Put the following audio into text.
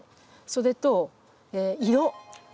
それと「色」。